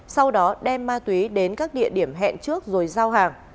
sau đó đem ma túy đến các địa điểm hẹn trước rồi giao hàng